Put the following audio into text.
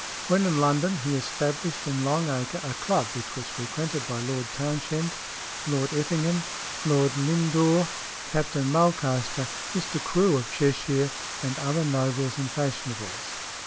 When in London, he established in Long Acre a Club, which was frequented by Lord Townshend, Lord Effingham, Lord Lindore, Captain Mulcaster, Mr. Crewe of Cheshire, and "other nobles and fashionables."